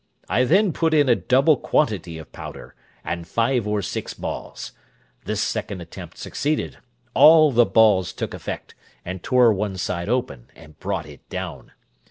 I then put in a double quantity of powder, and five or six balls: this second attempt succeeded; all the balls took effect, and tore one side open, and brought it down.